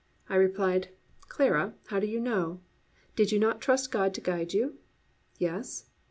I replied, "Clara, how do you know? Did you not trust God to guide you?" "Yes."